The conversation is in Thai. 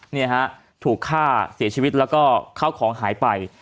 เนี่ยฮะถูกฆ่าเสียชีวิตแล้วก็เข้าของหายไป